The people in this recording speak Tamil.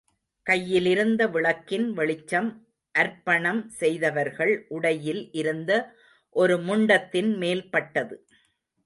கையிலிருந்த விளக்கின் வெளிச்சம் அர்ப்பணம் செய்தவர்கள் உடையில் இருந்த ஒரு முண்டத்தின் மேல்பட்டது.